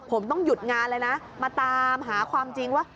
ผมต้องหยุดงานเลยนะมาตามหาความจริงว่า